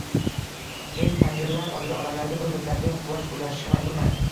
men panjaralar ortida odamlarga bir muddatlik quvonch ulashishga majburman